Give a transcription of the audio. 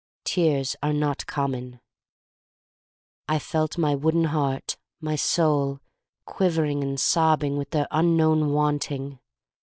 Tears are not common. I felt my wooden heart, my soul, quivering and sobbing with their un known wanting.